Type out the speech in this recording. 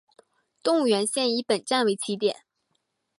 动物园线以本站为起点。